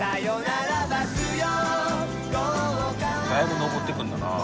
だいぶ上ってくんだな。